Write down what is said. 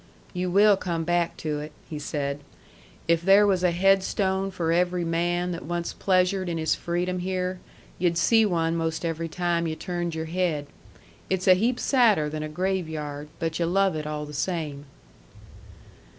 "You will come back to it," he said. "If there was a headstone for every man that once pleasured in his freedom here, yu'd see one most every time yu' turned your head. It's a heap sadder than a graveyard but yu' love it all the same."